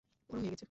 বড় হয়ে গেছে।